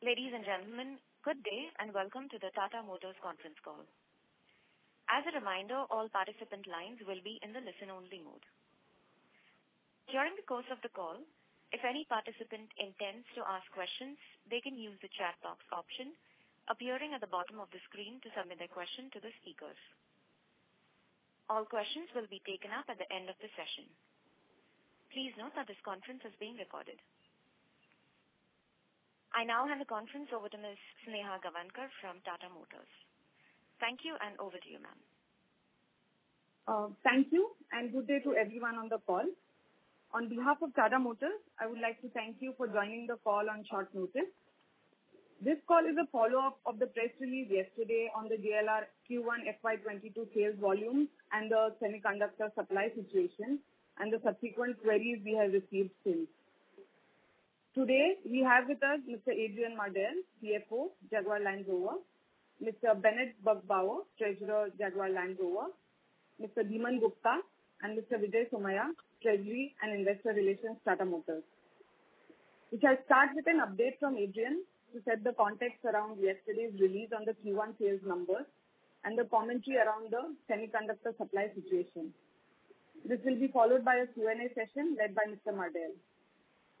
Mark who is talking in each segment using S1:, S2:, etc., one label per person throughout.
S1: Ladies and gentlemen, good day and welcome to the Tata Motors conference call. As a reminder, all participant lines will be in the listen-only mode. During the course of the call, if any participant intends to ask questions, they can use the chat box option appearing at the bottom of the screen to send their question to the speakers. All questions will be taken up at the end of the session. Please note that this conference is being recorded. I now hand the conference over to Ms. Sneha Gavankar from Tata Motors. Thank you and over to you, ma'am.
S2: Thank you and good day to everyone on the call. On behalf of Tata Motors, I would like to thank you for joining the call on short notice. This call is a follow-up of the press release yesterday on the JLR Q1 FY 2022 sales volumes and the semiconductor supply situation and the subsequent queries we have received since. Today, we have with us Mr. Adrian Mardell, CFO, Jaguar Land Rover; Mr. Bennett Birgbauer, Treasurer, Jaguar Land Rover; Mr. Dhiman Gupta; and Mr. Vijay Somaiya, Treasury and Investor Relations, Tata Motors. We shall start with an update from Adrian to set the context around yesterday's release on the Q1 sales numbers and the commentary around the semiconductor supply situation. This will be followed by a Q&A session led by Mr. Mardell.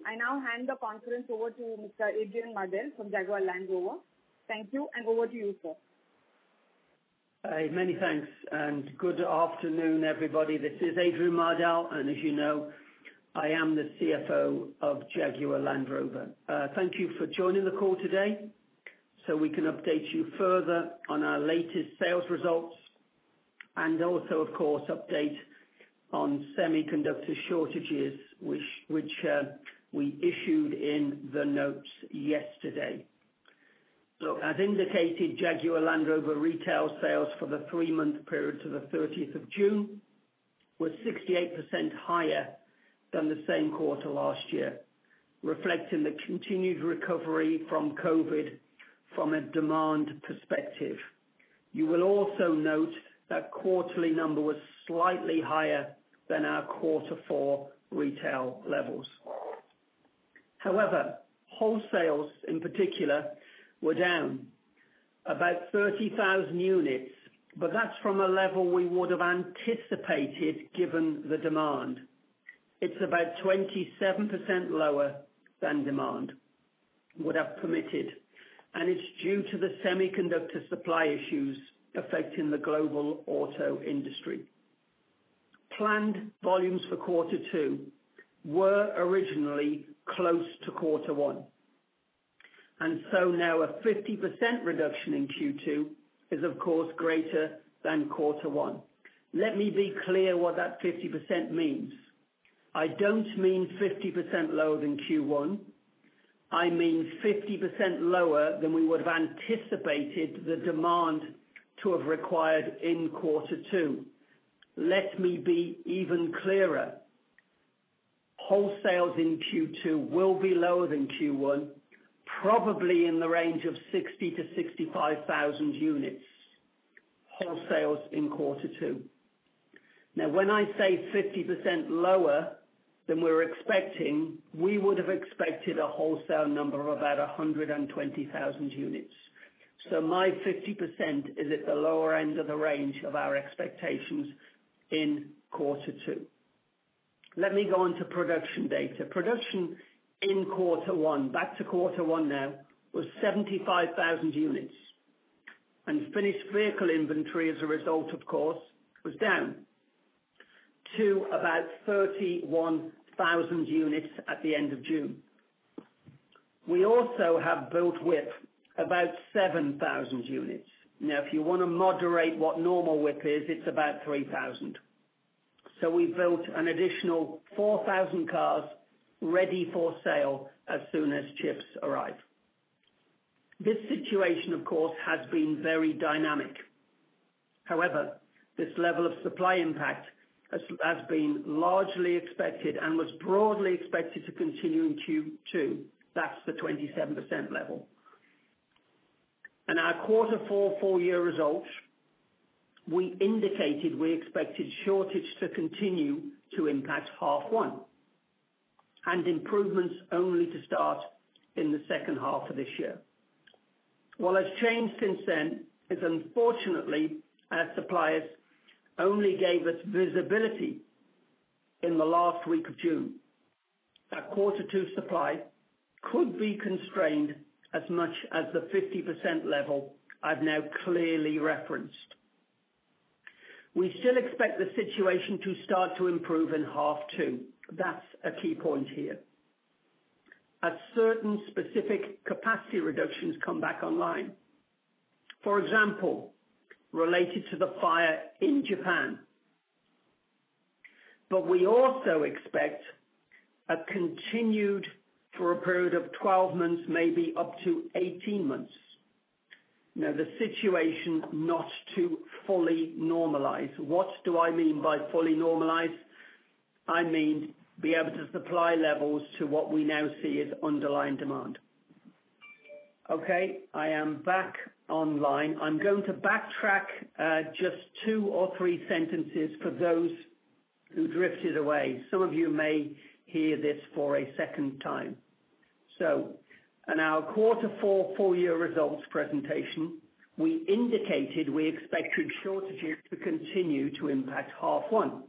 S2: I now hand the conference over to Mr. Adrian Mardell from Jaguar Land Rover. Thank you and over to you, sir.
S3: Many thanks. Good afternoon, everybody. This is Adrian Mardell, and as you know, I am the CFO of Jaguar Land Rover. Thank you for joining the call today so we can update you further on our latest sales results and also, of course, update on semiconductor shortages, which we issued in the notes yesterday. As indicated, Jaguar Land Rover retail sales for the three-month period to the 30th of June were 68% higher than the same quarter last year, reflecting the continued recovery from COVID from a demand perspective. You will also note that quarterly number was slightly higher than our quarter four retail levels. However, wholesales in particular were down about 30,000 units, but that's from a level we would have anticipated given the demand. It's about 27% lower than demand would have permitted, and it's due to the semiconductor supply issues affecting the global auto industry. Planned volumes for quarter two were originally close to quarter one, and so now a 50% reduction in Q2 is, of course, greater than quarter one. Let me be clear what that 50% means. I don't mean 50% lower than Q1. I mean 50% lower than we would have anticipated the demand to have required in quarter two. Let me be even clearer. Wholesales in Q2 will be lower than Q1, probably in the range of 60,000-65,000 units, wholesales in quarter two. When I say 50% lower than we were expecting, we would have expected a wholesale number of about 120,000 units. My 50% is at the lower end of the range of our expectations in quarter two. Let me go onto production data. Production in quarter one, back to quarter one now, was 75,000 units. Finished vehicle inventory as a result, of course, was down to about 31,000 units at the end of June. We also have built WIP, about 7,000 units. Now, if you want to moderate what normal WIP is, it's about 3,000. We built an additional 4,000 cars ready for sale as soon as chips arrive. This situation, of course, has been very dynamic. This level of supply impact has been largely expected and was broadly expected to continue in Q2. That's the 27% level. In our quarter four full year results, we indicated we expected shortage to continue to impact half one and improvements only to start in the second half of this year. What has changed since then is unfortunately, our suppliers only gave us visibility in the last week of June that quarter two supply could be constrained as much as the 50% level I've now clearly referenced. We still expect the situation to start to improve in half two. That's a key point here. As certain specific capacity reductions come back online. For example, related to the fire in Japan. We also expect a continued for a period of 12 months, maybe up to 18 months. Now the situation not to fully normalize. What do I mean by fully normalize? I mean be able to supply levels to what we now see as underlying demand. Okay, I am back online. I'm going to backtrack just two or three sentences for those who drifted away. Some of you may hear this for a second time. In our quarter four full-year results presentation, we indicated we expected shortages to continue to impact half one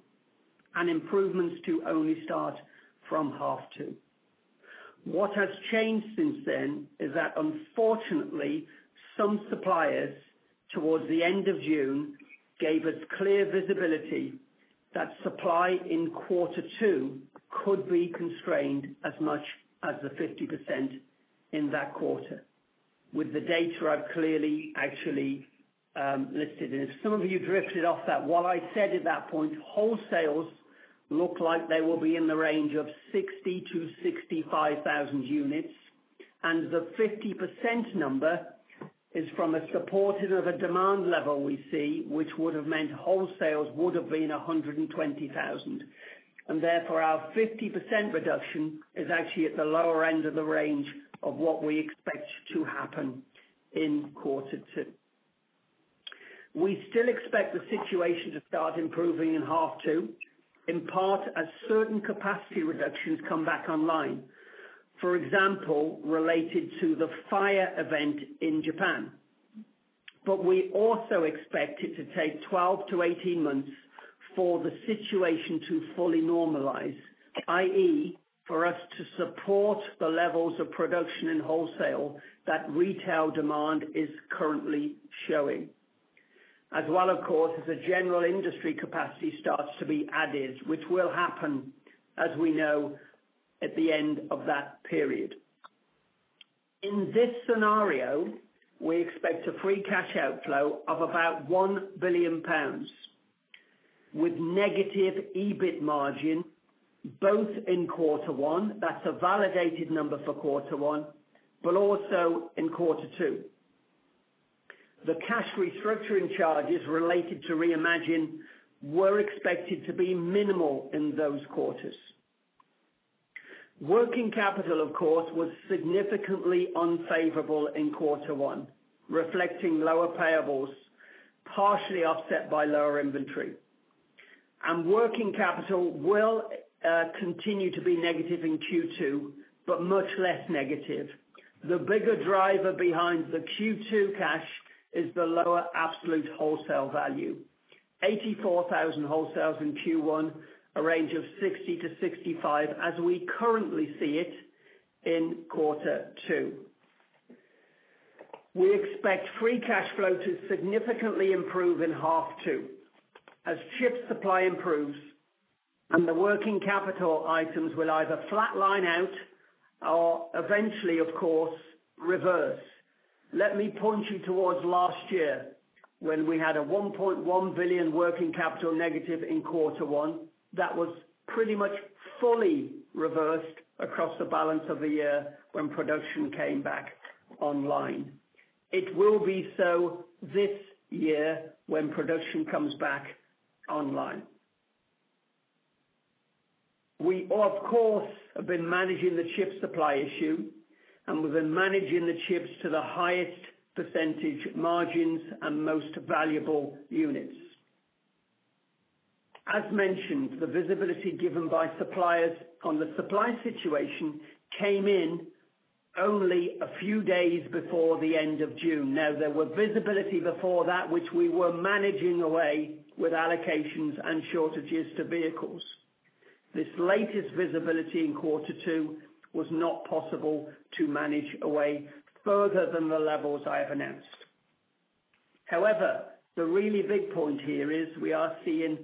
S3: and improvements to only start from half two. What has changed since then is that unfortunately, some suppliers towards the end of June gave us clear visibility that supply in quarter two could be constrained as much as 50% in that quarter. With the data I've clearly actually listed here. Some of you drifted off that. What I said at that point, wholesales look like they will be in the range of 60,000 to 65,000 units, and the 50% number is from a supportive of a demand level we see, which would have meant wholesales would have been 120,000. Our 50% reduction is actually at the lower end of the range of what we expect to happen in quarter two. We still expect the situation to start improving in half two, in part as certain capacity reductions come back online. For example, related to the fire event in Japan. We also expect it to take 12 to 18 months for the situation to fully normalize, i.e., for us to support the levels of production and wholesale that retail demand is currently showing. As well, of course, as the general industry capacity starts to be added, which will happen, as we know, at the end of that period. In this scenario, we expect a free cash outflow of about £1 billion with negative EBIT margin both in quarter one, that's a validated number for quarter one, but also in quarter two. The cash restructuring charges related to Reimagine were expected to be minimal in those quarters. Working capital, of course, was significantly unfavorable in quarter one, reflecting lower payables, partially offset by lower inventory. Working capital will continue to be negative in Q2, but much less negative. The bigger driver behind the Q2 cash is the lower absolute wholesale value. 84,000 wholesales in Q1, a range of 60,000-65,000 as we currently see it in quarter two. We expect free cash flow to significantly improve in half two as chip supply improves and the working capital items will either flatline out or eventually, of course, reverse. Let me point you towards last year when we had a 1.1 billion working capital negative in quarter one that was pretty much fully reversed across the balance of the year when production came back online. It will be so this year when production comes back online. We, of course, have been managing the chip supply issue, and we've been managing the chips to the highest percentage margins and most valuable units. As mentioned, the visibility given by suppliers on the supply situation came in only a few days before the end of June. There was visibility before that which we were managing away with allocations and shortages to vehicles. This latest visibility in quarter two was not possible to manage away further than the levels I have announced. The really big point here is we are seeing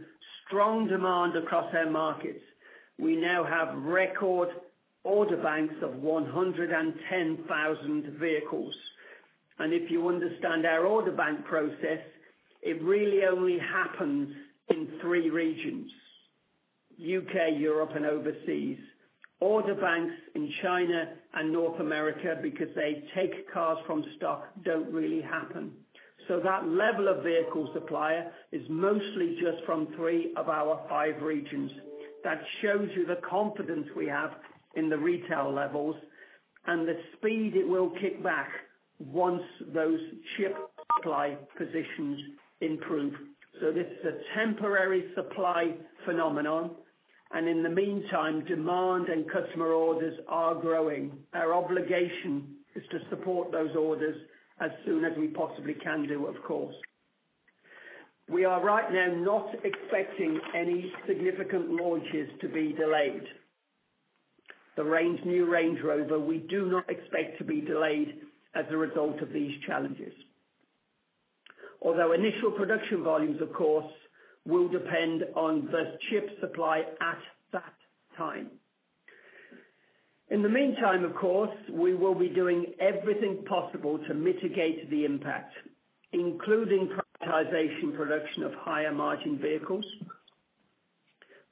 S3: strong demand across our markets. We now have record order banks of 110,000 vehicles. If you understand our order bank process, it really only happens in three regions, U.K., Europe, and overseas. Order banks in China and North America, because they take cars from stock, don't really happen. That level of vehicle supply is mostly just from three of our five regions. That shows you the confidence we have in the retail levels and the speed it will kick back once those chip supply positions improve. This is a temporary supply phenomenon, and in the meantime, demand and customer orders are growing. Our obligation is to support those orders as soon as we possibly can do, of course. We are right now not expecting any significant launches to be delayed. The new Range Rover, we do not expect to be delayed as a result of these challenges. Although initial production volumes, of course, will depend on the chip supply at that time. In the meantime, of course, we will be doing everything possible to mitigate the impact, including prioritization production of higher margin vehicles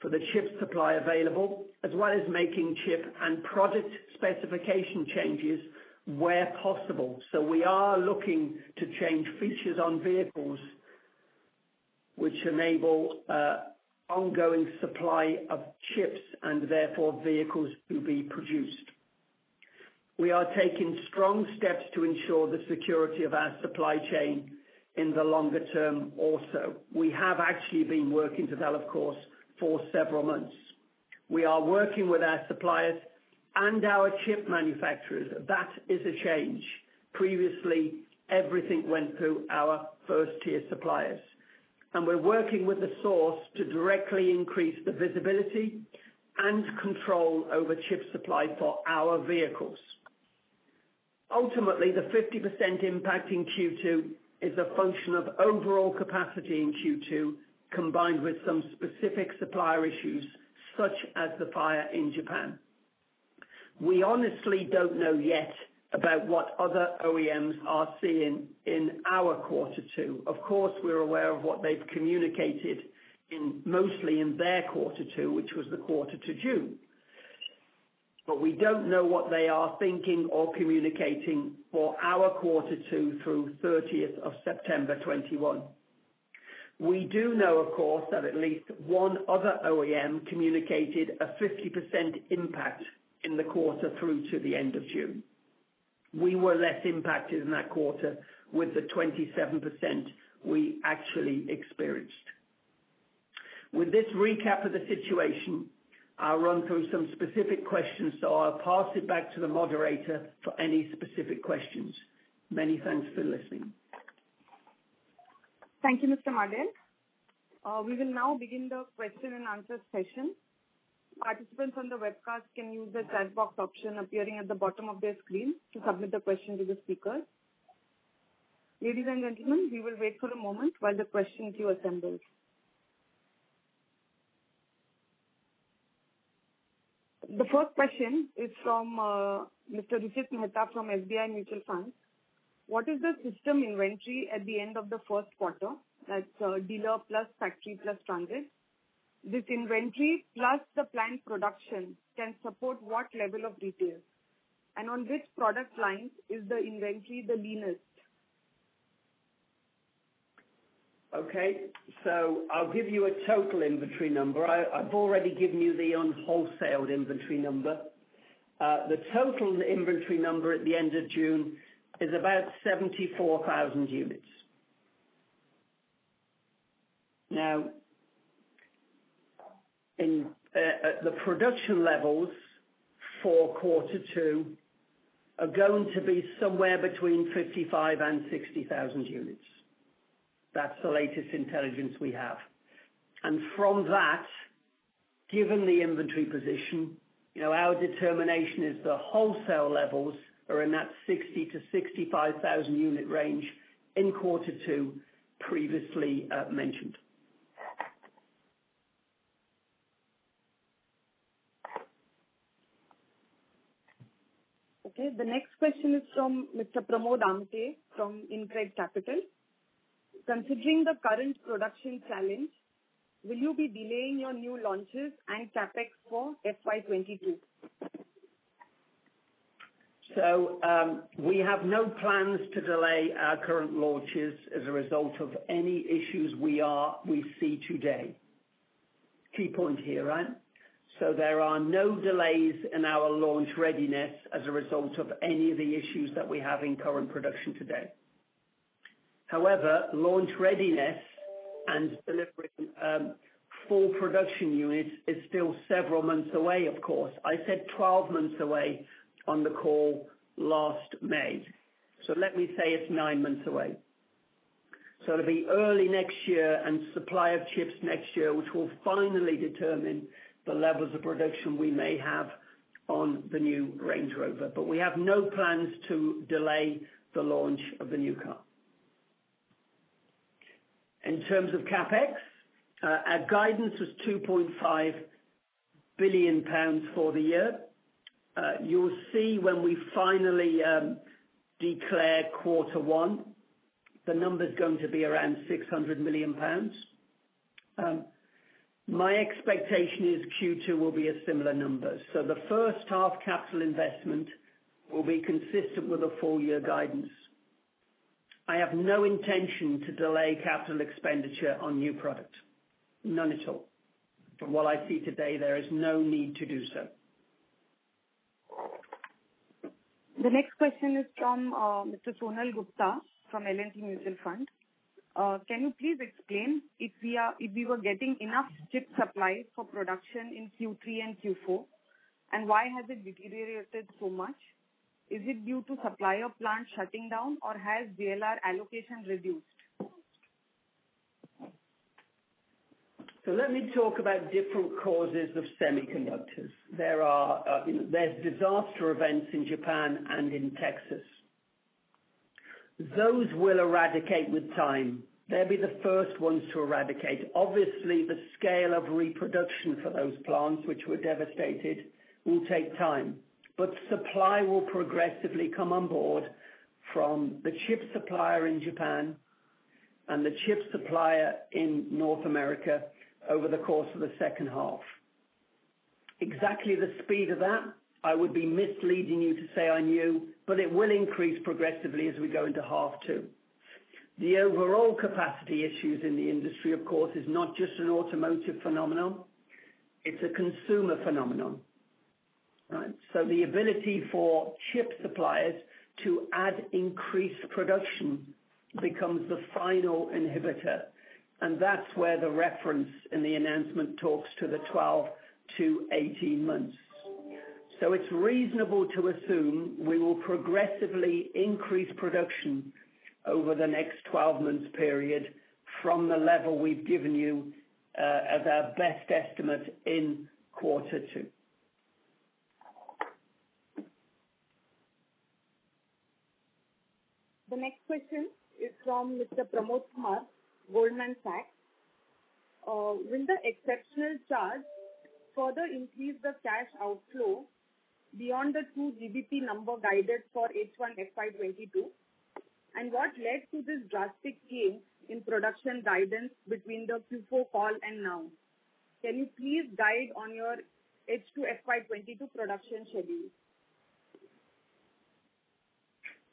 S3: for the chip supply available, as well as making chip and product specification changes where possible. We are looking to change features on vehicles which enable ongoing supply of chips and therefore vehicles to be produced. We are taking strong steps to ensure the security of our supply chain in the longer term also. We have actually been working to that, of course, for several months. We are working with our suppliers and our chip manufacturers. That is a change. Previously, everything went through our first-tier suppliers. We are working with the source to directly increase the visibility and control over chip supply for our vehicles. Ultimately, the 50% impact in Q2 is a function of overall capacity in Q2, combined with some specific supplier issues, such as the fire in Japan. We honestly don't know yet about what other OEMs are seeing in our quarter two. Of course, we are aware of what they've communicated mostly in their quarter two, which was the quarter to June. We don't know what they are thinking or communicating for our quarter two through 30th of September 2021. We do know, of course, that at least one other OEM communicated a 50% impact in the quarter through to the end of June. We were less impacted in that quarter with the 27% we actually experienced. With this recap of the situation, I'll run through some specific questions. I'll pass it back to the moderator for any specific questions. Many thanks for listening.
S2: Thank you, Mr. Mardell. We will now begin the question-and-answer session. Participants on the webcast can use the chat box option appearing at the bottom of their screen to submit a question to the speaker. Ladies and gentlemen, we will wait for a moment while the questions queue assembles. The first question is from Mr. Ruchit Mehta from SBI Mutual Fund. What is the system inventory at the end of the first quarter, that's dealer plus factory plus transit? This inventory plus the planned production can support what level of details? On which product line is the inventory the leanest?
S3: Okay, I'll give you a total inventory number. I've already given you the unwholesaled inventory number. The total inventory number at the end of June is about 74,000 units. The production levels for quarter two are going to be somewhere between 55,000 and 60,000 units. That's the latest intelligence we have. From that, given the inventory position, our determination is the wholesale levels are in that 60,000-65,000 unit range in quarter two, previously mentioned.
S2: Okay. The next question is from Mr. Pramod Amthe from InCred Capital. Considering the current production challenge, will you be delaying your new launches and CapEx for FY 2022?
S3: We have no plans to delay our current launches as a result of any issues we see today. Key point here. There are no delays in our launch readiness as a result of any of the issues that we have in current production today. However, launch readiness and delivering full production units is still several months away, of course. I said 12 months away on the call last May. Let me say it's nine months away. The early next year and supply of chips next year, which will finally determine the levels of production we may have on the new Range Rover. We have no plans to delay the launch of the new car. In terms of CapEx, our guidance is £2.5 billion for the year. You will see when we finally declare Q1, the number is going to be around £600 million. My expectation is Q2 will be a similar number. The first half capital investment will be consistent with the full year guidance. I have no intention to delay capital expenditure on new products. None at all. From what I see today, there is no need to do so.
S2: The next question is from Mr. Sunil Gupta from L&T Mutual Fund. Can you please explain if you are getting enough chip supplies for production in Q3 and Q4, why has it deteriorated so much? Is it due to supplier plant shutting down or has JLR allocation reduced?
S3: Let me talk about different causes of semiconductors. There's disaster events in Japan and in Texas. Those will eradicate with time. They'll be the first ones to eradicate. Obviously, the scale of reproduction for those plants, which were devastated, will take time. Supply will progressively come on board from the chip supplier in Japan and the chip supplier in North America over the course of the second half. Exactly the speed of that, I would be misleading you to say I knew, but it will increase progressively as we go into half two. The overall capacity issues in the industry, of course, is not just an automotive phenomenon, it's a consumer phenomenon. The ability for chip suppliers to add increased production becomes the final inhibitor, and that's where the reference in the announcement talks to the 12-18 months. It's reasonable to assume we will progressively increase production over the next 12-month period from the level we've given you as our best estimate in quarter two.
S2: The next question is from Mr. Pramod Koyothi, Goldman Sachs. Will the exceptional charge further increase the cash outflow beyond the two GBP number guided for H1 FY 2022? What led to this drastic change in production guidance between the Q4 call and now? Can you please guide on your H2 FY 2022 production schedule?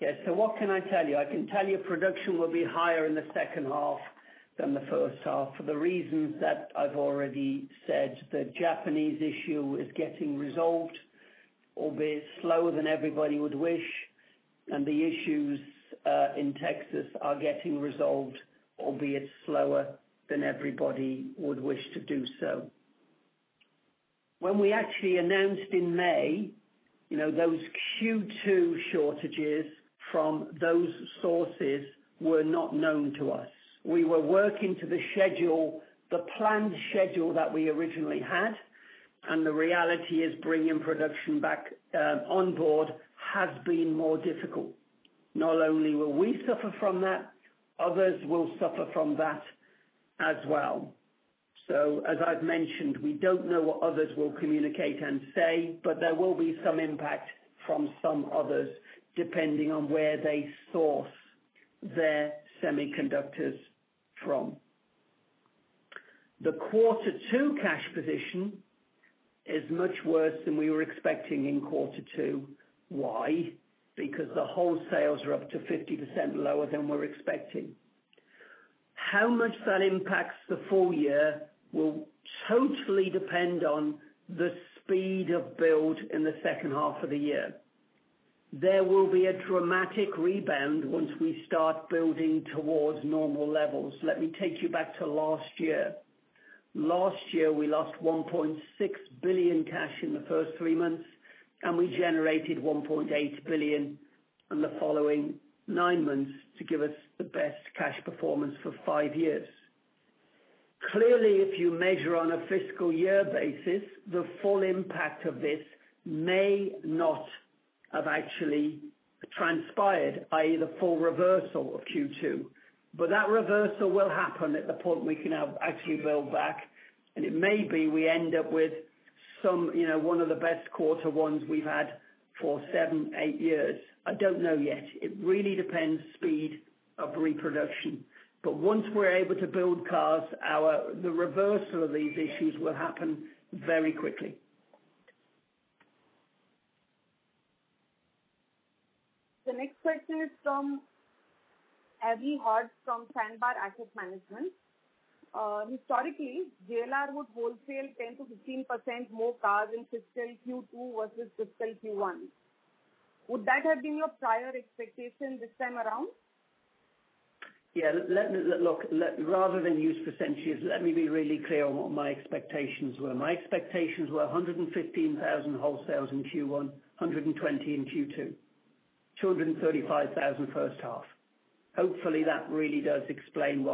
S3: Yeah. What can I tell you? I can tell production will be higher in the second half than the first half for the reasons that I've already said. The Japanese issue is getting resolved, albeit slower than everybody would wish. The issues in Texas are getting resolved, albeit slower than everybody would wish to do so. When we actually announced in May, those Q2 shortages from those sources were not known to us. We were working to the schedule, the planned schedule that we originally had, and the reality is bringing production back on board has been more difficult. Not only will we suffer from that, others will suffer from that as well. As I've mentioned, we don't know what others will communicate and say, but there will be some impact from some others, depending on where they source their semiconductors from. The quarter two cash position is much worse than we were expecting in quarter two. Why? Because the wholesales are up to 50% lower than we're expecting. How much that impacts the full year will totally depend on the speed of build in the second half of the year. There will be a dramatic rebound once we start building towards normal levels. Let me take you back to last year. Last year, we lost 1.6 billion cash in the first three months. We generated 1.8 billion in the following nine months to give us the best cash performance for five years. Clearly, if you measure on a fiscal year basis, the full impact of this may not have actually transpired, i.e., the full reversal of Q2. That reversal will happen at the point we can actually build back. It may be we end up with one of the best quarter ones we've had for seven, eight years. I don't know yet. It really depends speed of reproduction. Once we're able to build cars, the reversal of these issues will happen very quickly.
S2: The next question is from Avi Hoddes from Sandbar Asset Management. Historically, JLR would wholesale 10%-15% more cars in Q2 versus Q1. Would that have been your prior expectation this time around?
S3: Rather than use percentages, let me be really clear on what my expectations were. My expectations were 115,000 wholesales in Q1, 120 in Q2. 235,000 first half. Hopefully, that really does explain.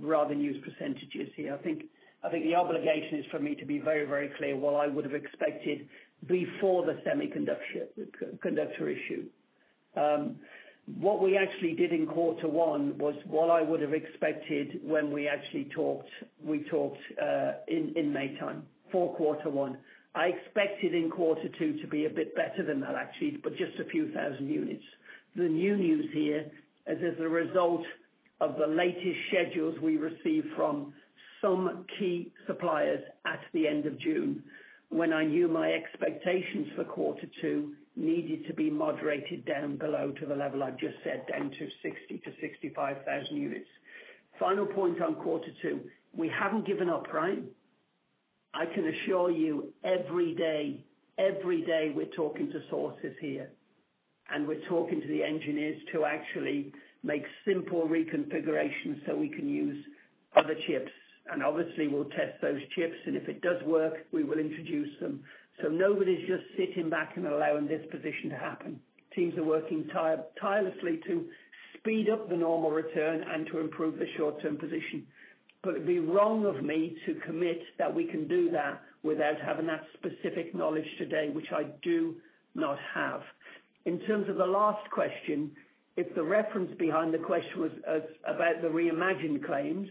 S3: Rather than use percentages here, I think the obligation is for me to be very, very clear what I would have expected before the semiconductor issue. What we actually did in Q1 was what I would have expected when we actually talked in May time for Q1. I expected in Q2 to be a bit better than that, actually, but just a few thousand units. The new news here is as a result of the latest schedules we received from some key suppliers at the end of June, when I knew my expectations for quarter two needed to be moderated down below to the level I've just said, down to 60,000-65,000 units. Final point on quarter two, we haven't given up. I can assure you every day, we're talking to sources here, and we're talking to the engineers to actually make simple reconfigurations so we can use other chips. Obviously, we'll test those chips, and if it does work, we will introduce them. Nobody's just sitting back and allowing this position to happen. Teams are working tirelessly to speed up the normal return and to improve the short-term position. It would be wrong of me to commit that we can do that without having that specific knowledge today, which I do not have. In terms of the last question, if the reference behind the question was about the Reimagine claims,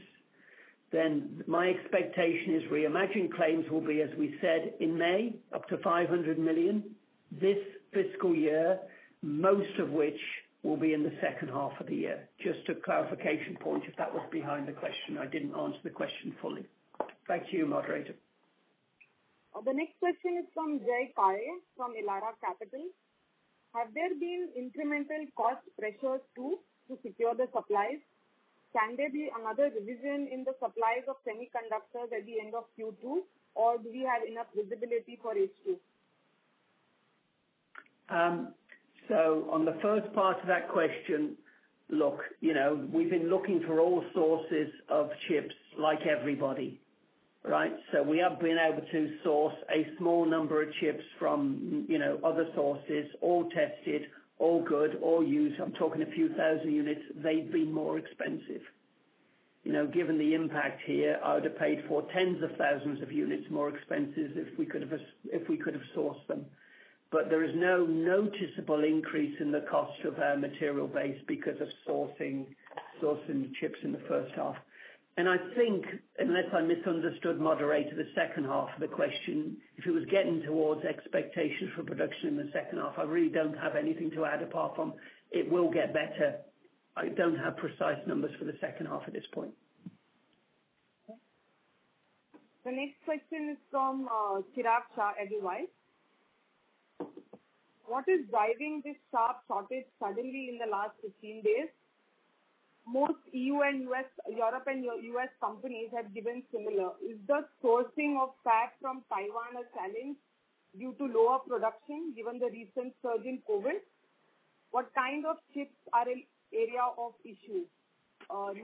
S3: my expectation is Reimagine claims will be, as we said in May, up to 500 million this fiscal year, most of which will be in the second half of the year. Just a clarification point, if that was behind the question, I didn't answer the question fully. Thank you, moderator.
S2: The next question is from Jay Kale from Elara Capital. Have there been incremental cost pressures too, to secure the supplies? Can there be another revision in the supplies of semiconductors at the end of Q2, or do you have enough visibility for H2?
S3: On the first part of that question, look, we've been looking for all sources of chips like everybody, right? We have been able to source a small number of chips from other sources, all tested, all good, all used. I'm talking a few thousand units. They've been more expensive. Given the impact here, I would have paid for tens of thousands of units more expensive if we could've sourced them. There is no noticeable increase in the cost of our material base because of sourcing the chips in the first half. I think, unless I misunderstood, moderator, the second half of the question, if it was getting towards expectations for production in the second half, I really don't have anything to add apart from it will get better. I don't have precise numbers for the second half at this point.
S2: The next question is from Kirat Shah, Edelweiss. What is driving this sharp shortage suddenly in the last 15 days? Most EU and U.S., Europe and U.S. companies have given similar. Is the sourcing of fab from Taiwan and Thailand due to lower production given the recent surge in COVID? What kind of chips are area of issue?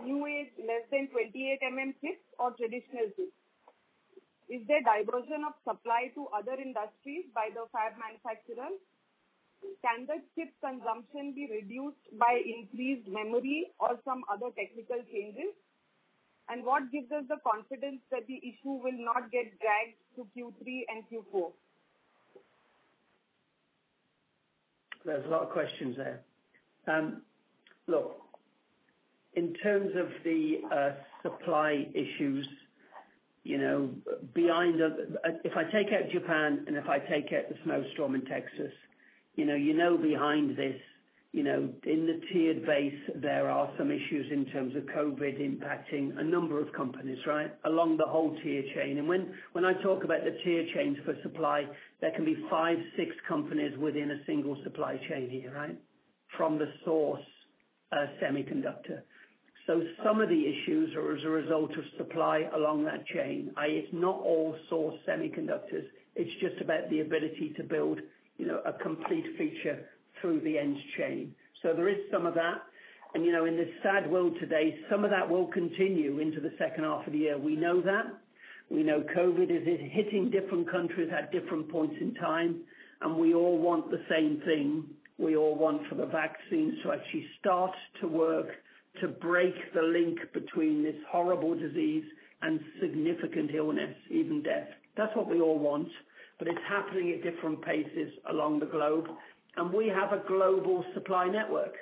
S2: New age, less than 28nm chips or traditional chips? Is there diversion of supply to other industries by the fab manufacturer? Can the chip consumption be reduced by increased memory or some other technical changes? What gives us the confidence that the issue will not get dragged to Q3 and Q4?
S3: There is a lot of questions there. Look, in terms of the supply issues, if I take out Japan and if I take out the snowstorm in Texas, you know behind this, in the tier base, there are some issues in terms of COVID impacting a number of companies, right, along the whole tier chain. When I talk about the tier chains for supply, there can be five, six companies within a single supply chain here from the source semiconductor. Some of the issues are as a result of supply along that chain. It is not all source semiconductors. It is just about the ability to build a complete feature through the end chain. There is some of that. In this sad world today, some of that will continue into the second half of the year. We know that. We know COVID is hitting different countries at different points in time. We all want the same thing. We all want for the vaccine to actually start to work, to break the link between this horrible disease and significant illness, even death. That's what we all want. It's happening at different paces along the globe. We have a global supply network.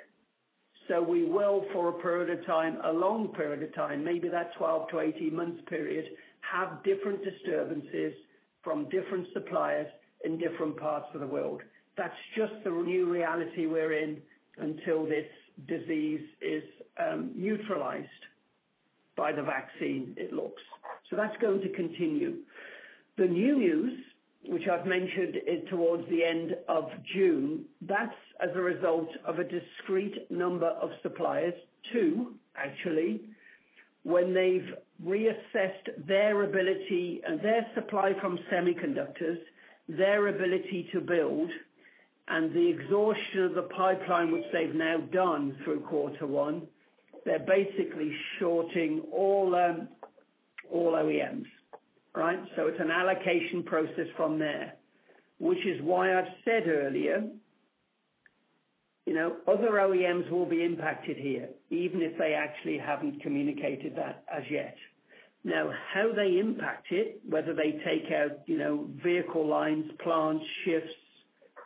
S3: We will, for a period of time, a long period of time, maybe that 12-18 months period, have different disturbances from different suppliers in different parts of the world. That's just the new reality we're in until this disease is neutralized by the vaccine, it looks. That's going to continue. The new news, which I've mentioned, is towards the end of June. That's as a result of a discrete number of suppliers, two, actually. When they've reassessed their ability and their supply from semiconductors, their ability to build, and the exhaustion of the pipeline, which they've now done through Q1, they're basically shorting all OEMs, right? It's an allocation process from there, which is why I've said earlier, other OEMs will be impacted here, even if they actually haven't communicated that as yet. How they impact it, whether they take out vehicle lines, plants, shifts,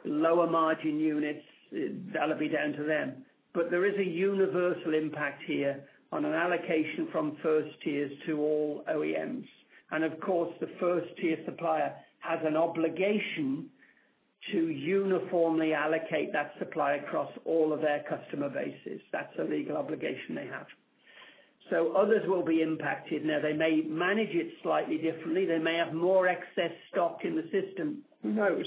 S3: lower margin units, that'll be down to them. There is a universal impact here on an allocation from first-tiers to all OEMs. Of course, the first-tier supplier has an obligation to uniformly allocate that supply across all of their customer bases. That's a legal obligation they have. Others will be impacted. They may manage it slightly differently. They may have more excess stock in the system. Who knows?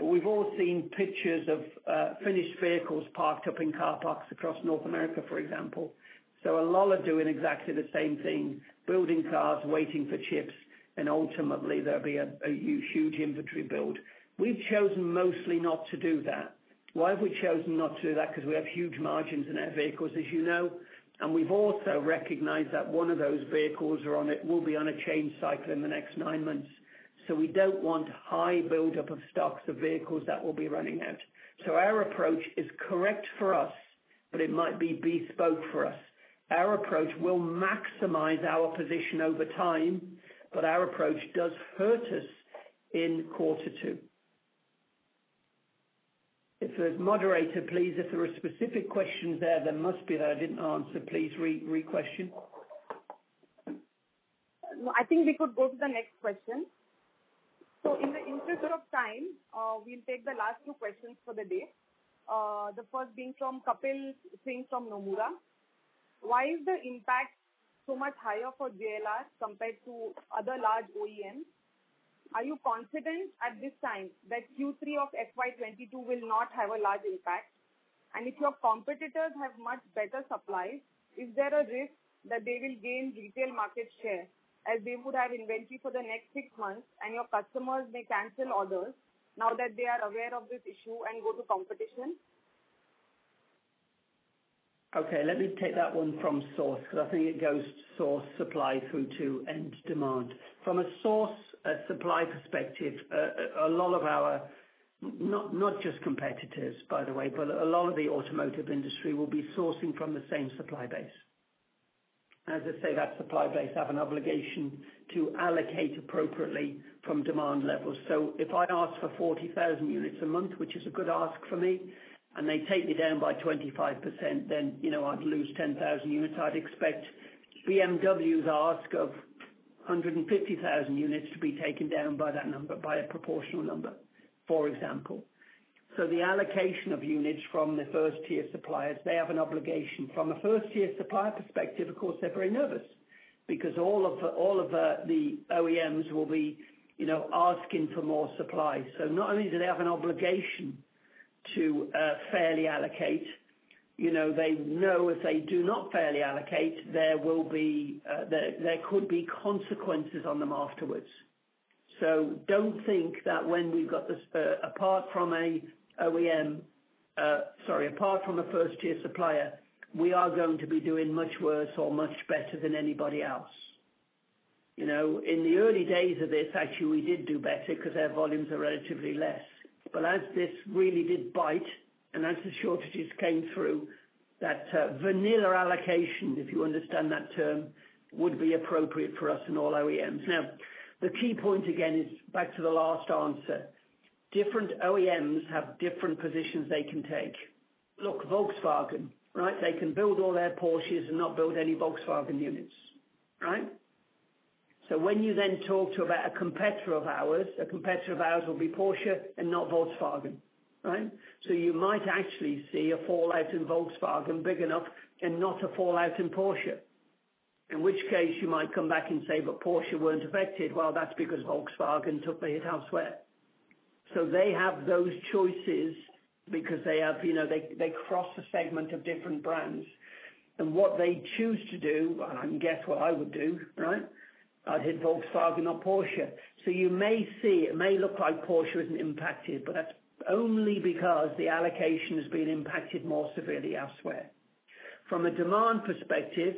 S3: We've all seen pictures of finished vehicles parked up in car parks across North America, for example. A lot are doing exactly the same thing, building cars, waiting for chips, and ultimately there'll be a huge inventory build. We've chosen mostly not to do that. Why have we chosen not to do that? Because we have huge margins in our vehicles, as you know, and we've also recognized that 1 of those vehicles will be on a change cycle in the next 9 months. We don't want high buildup of stocks of vehicles that will be running out. Our approach is correct for us, but it might be bespoke for us. Our approach will maximize our position over time, but our approach does hurt us in Q2. Moderator, please, if there are specific questions there that must be that I didn't answer, please re-question.
S2: I think we could go to the next question. In the interest of time, we'll take the last two questions for the day. The first being from Kapil Singh from Nomura. Why is the impact so much higher for JLR compared to other large OEMs? Are you confident at this time that Q3 of FY22 will not have a large impact? If your competitors have much better supply, is there a risk that they will gain retail market share as they would have inventory for the next six months and your customers may cancel orders now that they are aware of this issue and go to competition?
S3: Let me take that one from source, I think it goes source supply through to end demand. From a source supply perspective, a lot of our, not just competitors, by the way, but a lot of the automotive industry will be sourcing from the same supply base. As I say, that supply base have an obligation to allocate appropriately from demand levels. If I ask for 40,000 units a month, which is a good ask for me, and they take me down by 25%, then I'd lose 10,000 units. I'd expect BMW's ask of 150,000 units to be taken down by that number, by a proportional number, for example. The allocation of units from the first-tier suppliers, they have an obligation. From a first-tier supplier perspective, of course, they're very nervous because all of the OEMs will be asking for more supply. Not only do they have an obligation to fairly allocate, they know if they do not fairly allocate, there could be consequences on them afterwards. Don't think that when we got this apart from a first-tier supplier, we are going to be doing much worse or much better than anybody else. As this really did bite and as the shortages came through, that vanilla allocation, if you understand that term, would be appropriate for us and all OEMs. The key point, again, is back to the last answer. Different OEMs have different positions they can take. Look, Volkswagen, right? They can build all their Porsches and not build any Volkswagen units, right? When you then talk to about a competitor of ours, the competitor of ours will be Porsche and not Volkswagen, right? You might actually see a fallout in Volkswagen big enough and not a fallout in Porsche. In which case, you might come back and say, "Porsche weren't affected." That's because Volkswagen took the hit elsewhere. They have those choices because they cross a segment of different brands. And what they choose to do, I can guess what I would do, right? I'd hit Volkswagen, not Porsche. You may see it may look like Porsche isn't impacted, but that's only because the allocation has been impacted more severely elsewhere. From a demand perspective,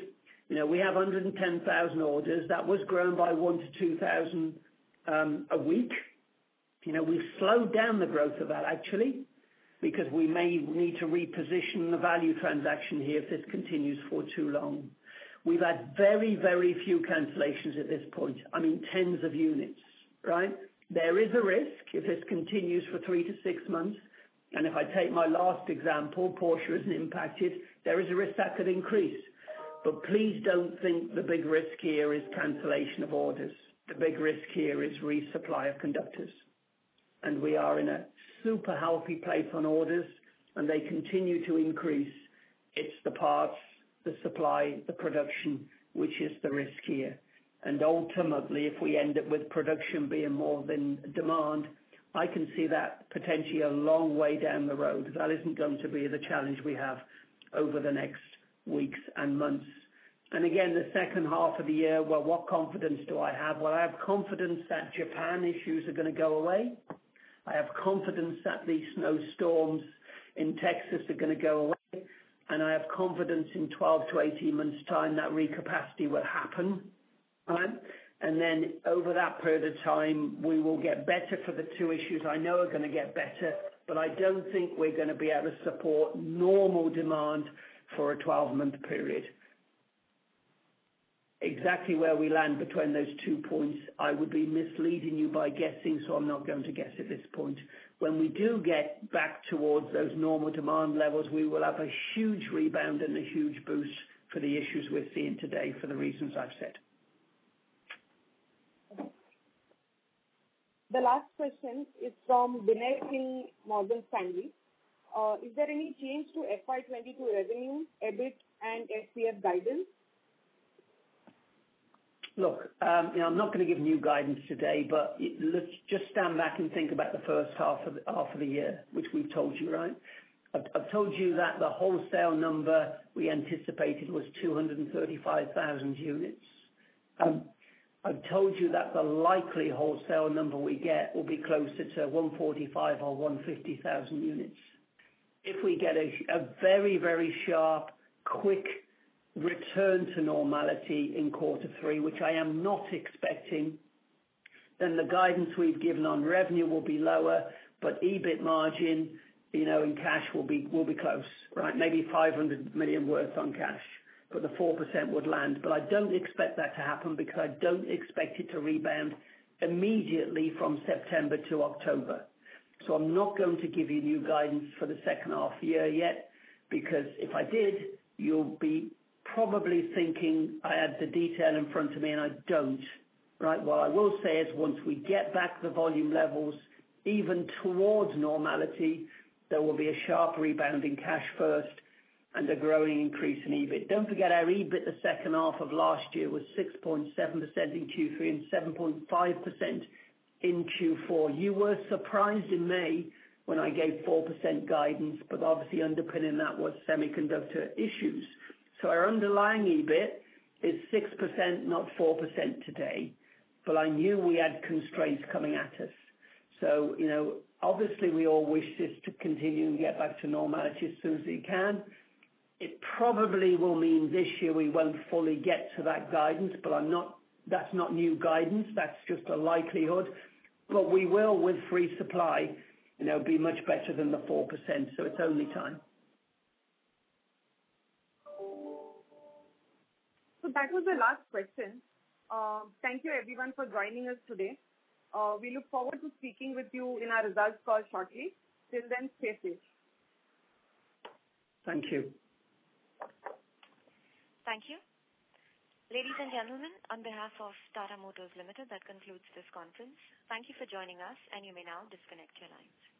S3: we have 110,000 orders. That was grown by 1,000-2,000 a week. We've slowed down the growth of that, actually, because we may need to reposition the value transaction here if this continues for too long. We've had very, very few cancellations at this point. I mean, 10s of units, right? There is a risk if this continues for three to six months, and if I take my last example, Porsche isn't impacted, there is a risk that could increase. Please don't think the big risk here is cancellation of orders. The big risk here is resupply of semiconductors. We are in a super healthy place on orders, and they continue to increase. It's the parts, the supply, the production, which is the risk here. Ultimately, if we end up with production being more than demand, I can see that potentially a long way down the road, but that isn't going to be the challenge we have over the next weeks and months. Again, the second half of the year, well, what confidence do I have? Well, I have confidence that Japan issues are going to go away. I have confidence that these snowstorms in Texas are going to go away, and I have confidence in 12 to 18 months' time that re-capacity will happen. Then over that period of time, we will get better for the two issues I know are going to get better, but I don't think we're going to be able to support normal demand for a 12-month period. Exactly where we land between those two points, I would be misleading you by guessing, so I'm not going to guess at this point. When we do get back towards those normal demand levels, we will have a huge rebound and a huge boost for the issues we're seeing today for the reasons I've said.
S2: The last question is from Binay Singh, Morgan Stanley. Is there any change to FY 2022 revenue, EBIT, and FCF guidance?
S3: Look, I'm not going to give new guidance today, but just stand back and think about the first half of the year, which we've told you, right? I've told you that the wholesale number we anticipated was 235,000 units. I've told you that the likely wholesale number we get will be closer to 145,000 or 150,000 units. If we get a very, very sharp, quick return to normality in quarter three, which I am not expecting, then the guidance we've given on revenue will be lower, but EBIT margin and cash will be close, right? Maybe 500 million on cash, but the 4% would land. I don't expect that to happen because I don't expect it to rebound immediately from September to October. I'm not going to give you new guidance for the second half of the year yet, because if I did, you'll be probably thinking I have the detail in front of me, and I don't. Right. What I will say is once we get back to the volume levels, even towards normality, there will be a sharp rebound in cash first and a growing increase in EBIT. Don't forget our EBIT the second half of last year was 6.7% in Q3 and 7.5% in Q4. You were surprised in May when I gave 4% guidance, but obviously underpinning that was semiconductor issues. Our underlying EBIT is 6%, not 4% today. I knew we had constraints coming at us. Obviously we all wish this to continue and get back to normality as soon as it can. It probably will mean this year we won't fully get to that guidance, but that's not new guidance. That's just a likelihood. We will with free supply, it'll be much better than the 4%, so it's only time.
S2: That was the last question. Thank you everyone for joining us today. We look forward to speaking with you in our results call shortly. Till then, stay safe.
S3: Thank you.
S1: Thank you. Ladies and gentlemen, on behalf of Tata Motors Limited, that concludes this conference. Thank you for joining us, and you may now disconnect your lines.